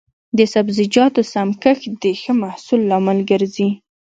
د سبزیجاتو سم کښت د ښه محصول لامل ګرځي.